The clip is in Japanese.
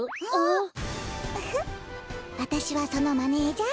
ウフわたしはそのマネージャー。